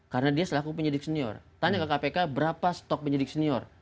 karena dia selaku penyidik senior tanya ke kpk berapa stok penyidik senior